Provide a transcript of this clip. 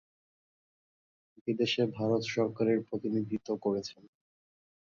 বিদেশে ভারত সরকারের প্রতিনিধিত্ব করেছেন।